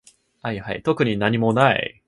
特になにもない